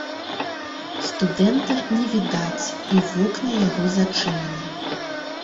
Студэнта не відаць, і вокны яго зачынены.